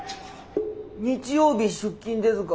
日曜日出勤ですか？